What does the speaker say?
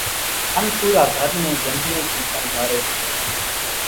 ان پورا گھر نين جنڍِيئين ٿِي شڻگاري سي